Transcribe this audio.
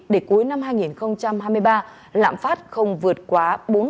để cuối năm hai nghìn hai mươi ba lạm phát không vượt quá bốn